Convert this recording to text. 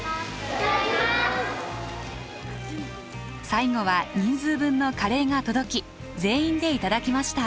最後は人数分のカレーが届き全員で頂きました。